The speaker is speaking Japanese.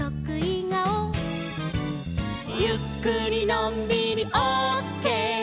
「ゆっくりのんびりオッケー」